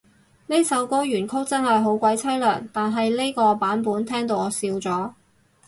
呢首歌原曲真係好鬼淒涼，但係呢個版本聽到我笑咗